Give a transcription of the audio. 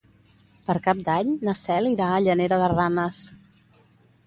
Per Cap d'Any na Cel irà a Llanera de Ranes.